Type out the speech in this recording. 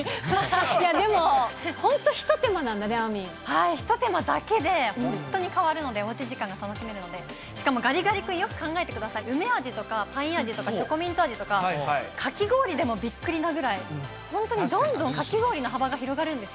いやでも、本当、一手間なんだね、一手間だけで本当に変わるので、おうち時間が楽しめるので、しかもガリガリ君、よく考えてください、梅味とかパイン味とか、チョコミント味とか、かき氷でもびっくりなぐらい、本当にどんどんかき氷の幅が広がるんです。